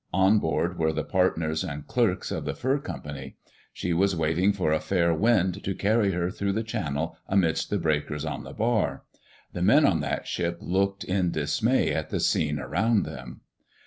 On board were the partners and clerks of the fur company. She was waiting for a fair wind to carry her through the channel amidst the breakers on the bar. The men on that ship looked in dismay at the scene around them.